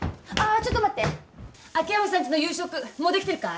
ちょっと待って秋山さんちの夕食もうできてるかい？